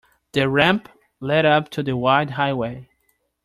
The ramp led up to the wide highway.